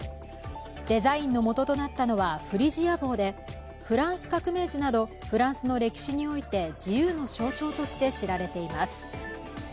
デザインのもととなったのはフリジア帽でフランス革命時などフランスの歴史において自由の象徴として知られています。